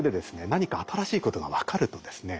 何か新しいことが分かるとですね